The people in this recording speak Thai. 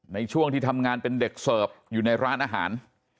ในช่วงที่ทำงานเป็นเด็กเสิร์ฟอยู่ในร้านอาหาร